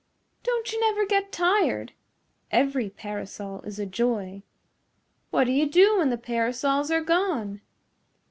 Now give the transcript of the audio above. "Don't you never get tired?" "Every parasol is a joy." "What do you do when the parasols are gone?"